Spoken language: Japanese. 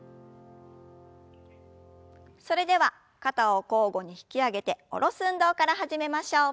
それでは肩を交互に引き上げて下ろす運動から始めましょう。